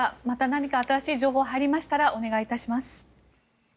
また何か新しい情報が入りましたらお願いいたします。